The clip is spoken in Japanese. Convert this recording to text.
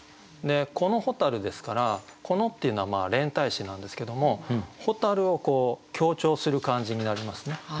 「この蛍」ですから「この」っていうのは連体詞なんですけども「蛍」を強調する感じになりますね。